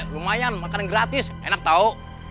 lumayan makanan gratis enak tahu